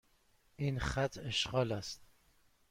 این خط اشغال است.